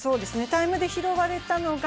タイムで拾われたのが。